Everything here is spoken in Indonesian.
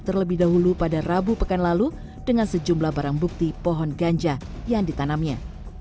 terlebih dahulu pada rabu pekan lalu dengan sejumlah barang bukti pohon ganja yang ditanamnya